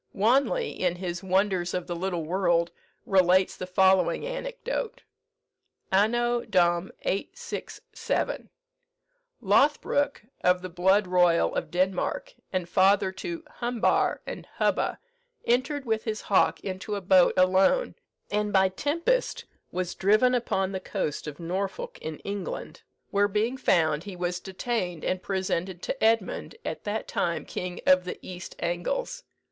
Wanley, in his "Wonders of the Little World," relates the following anecdote: "Anno Dom. 867. Lothbroke, of the blood royal of Denmark, and father to Humbar and Hubba, entered with his hawk into a boat alone, and by tempest was driven upon the coast of Norfolk in England; where being found, he was detained, and presented to Edmund, at that time King of the East Angles.